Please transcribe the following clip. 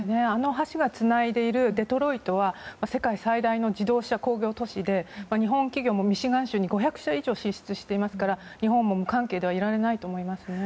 あの橋がつないでいるデトロイトは世界最大の自動車工業都市で日本企業もミシガン州に５００社以上進出していますから日本も無関係ではいられないと思います。